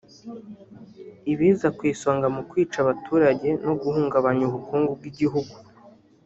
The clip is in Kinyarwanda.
ibiza ku isonga mu kwica abaturage no guhungabanya ubukungu bw’igihugu